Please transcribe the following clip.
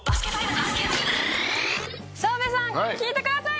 澤部さん聞いてください！